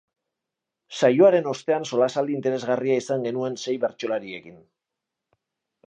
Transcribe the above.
Saioaren ostean solasaldi interesgarria izan genuen sei bertsolariekin.